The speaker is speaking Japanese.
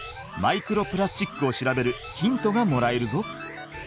マイクロプラスチックを調べるヒントがもらえるぞ！